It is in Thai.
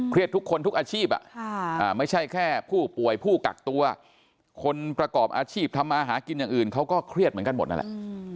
ทุกคนทุกอาชีพไม่ใช่แค่ผู้ป่วยผู้กักตัวคนประกอบอาชีพทำมาหากินอย่างอื่นเขาก็เครียดเหมือนกันหมดนั่นแหละ